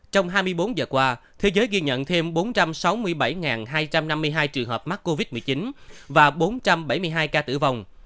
trong hai mươi bốn giờ qua thế giới ghi nhận thêm bốn trăm sáu mươi bảy hai trăm năm mươi hai trường hợp mắc covid một mươi chín và bốn trăm bảy mươi hai ca tử vong